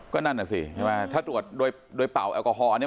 ก็นั่นน่ะสิใช่ไหมถ้าตรวจโดยเป่าแอลกอฮอลอันนี้